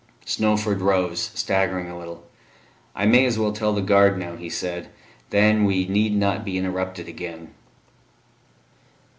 Snowford rose, staggering a little. "I may as well tell the guard now," he said. "Then we need not be interrupted again."